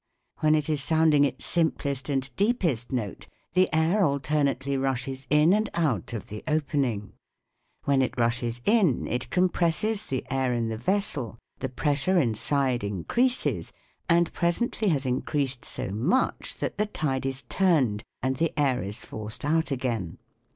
When it is sounding its simplest and deepest note the air alternately rushes in and out of the opening. When it rushes in it com presses the air in the vessel, the pressure inside SOUNDS OF THE TOWN 75 increases, and presently has increased so much that the tide is turned and the air is forced out again.